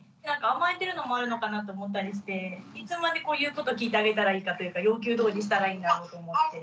甘えてるのもあるのかなと思ったりしていつまで言うこと聞いてあげたらいいかというか要求どおりにしたらいいんだろうと思って。